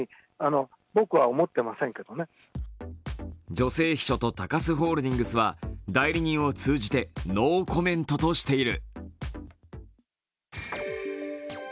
女性秘書と高須ホールディングスは代理人を通じてノーコメントとしている。